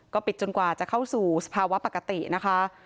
ก็ปิดจนกว่าจะเข้าสู่สภาวะปกตินะคะ